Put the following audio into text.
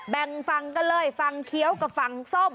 แบ่งฝั่งกันเลยฟังเคี้ยวกับฝั่งส้ม